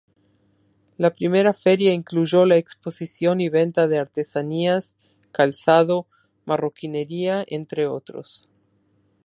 La primera feria incluyó la exposición y venta de artesanías, calzado, marroquinería, entre otros.